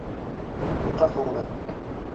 — Ҡурҡаһыңмы?